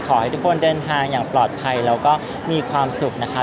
ขอให้ทุกคนเดินทางอย่างปลอดภัยแล้วก็มีความสุขนะคะ